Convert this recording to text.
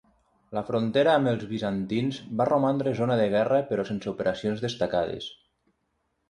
La frontera amb els bizantins va romandre zona de guerra però sense operacions destacades.